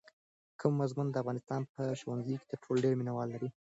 کوم مضمون د افغانستان په ښوونځیو کې تر ټولو ډېر مینه وال لري؟